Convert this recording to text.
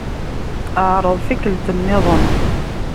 Ɛṛeḍ tikkelt-nniḍen.